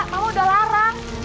mama udah larang